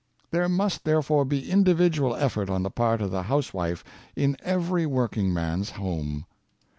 There must, therefore, be individual effort on the part of the house wife in every working man's home.